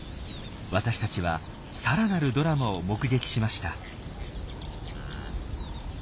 私たちはさらなるドラマを目撃しました。